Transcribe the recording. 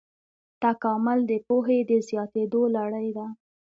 تکامل د پوهې د زیاتېدو لړۍ ده.